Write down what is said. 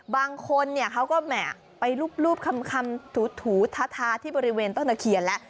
บางคนเขาก็แหม่ไปรูปคำถูท้าที่บริเวณต้นตะเคียนแล้ว